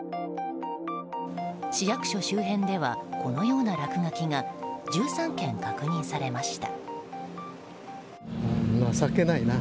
市役所周辺ではこのような落書きが１３件確認されました。